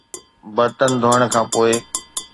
برتن ڌوئڻ کان پوء